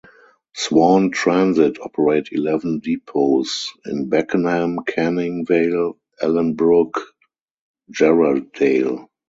Swan Transit operate eleven depots in Beckenham, Canning Vale, Ellenbrook, Jarrahdale.